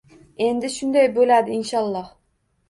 Endi shunday bo'ladi, inshooloh.